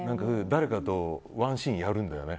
誰かとワンシーンやるんだよね。